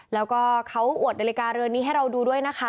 แล้วก็เขาอวดนาฬิกาเรือนนี้ให้เราดูด้วยนะคะ